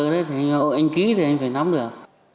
anh ký thì anh phải nắm được